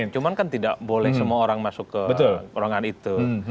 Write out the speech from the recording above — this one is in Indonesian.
cuma kan tidak boleh semua orang masuk ke ruangan itu